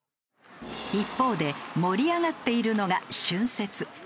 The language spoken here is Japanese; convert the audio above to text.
一方で盛り上がっているのが春節。